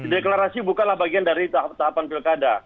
deklarasi bukanlah bagian dari tahap tahapan pilkada